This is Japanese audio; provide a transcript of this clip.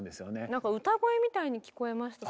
なんか歌声みたいに聞こえました。